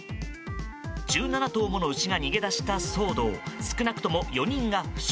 １７頭もの牛が逃げ出した騒動少なくとも４人が負傷。